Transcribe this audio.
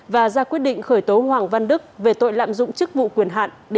và ra quyết định khởi tố hoàng văn đức về tội lạm dụng chức vụ quyền hạn để chiếm đoạt tài sản